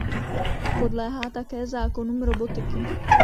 Podléhá také zákonům robotiky.